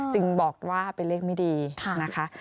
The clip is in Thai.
จึงบอกว่าเป็นเลขไม่ดีนะคะ